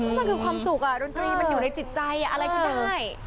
มันคือความสุขดนตรีมันอยู่ในจิตใจอะไรก็ได้